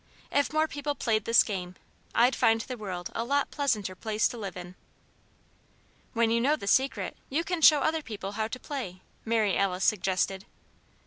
If more people played this game, I'd find the world a lot pleasanter place to live in." "When you know the Secret you can show other people how to play," Mary Alice suggested.